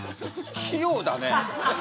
器用だね。